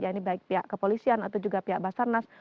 ya ini baik pihak kepolisian atau juga pihak basarnas